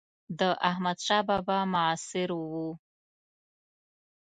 د احمدشاه بابا معاصر و.